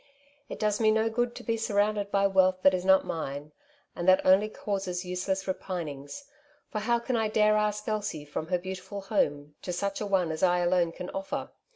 '' It does me no good to be surrounded by wealth that is not mine, and that only causes useless repinings ; for how can I dare ask Elsie from her beautiful home to such a one as I alone can offer